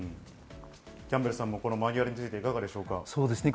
キャンベルさんもマニュアルについていかがですか？